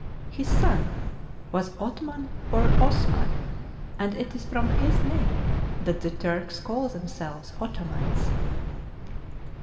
His son was Othman or Os man, and it is from his name that the Turks call themselves Ottomans.